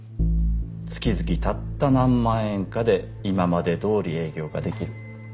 月々たった何万円かで今までどおり営業ができる。